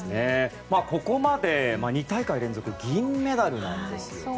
ここまで２大会連続銀メダルなんですよね。